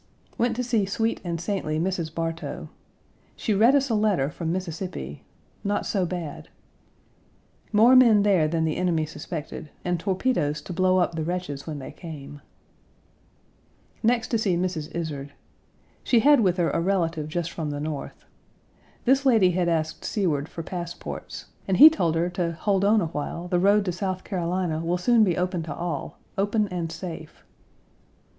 Went to see sweet and saintly Mrs. Bartow. She read us a letter from Mississippi not so bad: "More men there than the enemy suspected, and torpedoes to blow up the wretches when they came." Next to see Mrs. Izard. She had with her a relative just from the North. This lady had asked Seward for passports, and he told her to "hold on a while; the road to South Carolina will soon be open to all, open and safe."